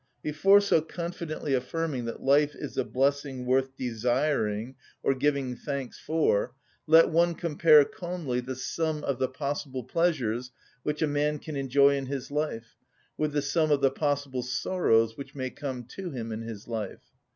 _" Before so confidently affirming that life is a blessing worth desiring or giving thanks for, let one compare calmly the sum of the possible pleasures which a man can enjoy in his life with the sum of the possible sorrows which may come to him in his life.